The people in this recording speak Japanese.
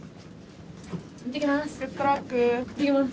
いってきます。